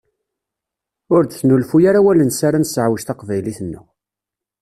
Ur d-nesnulfuy ara awalen s ara nesseɛwej taqbaylit-nneɣ.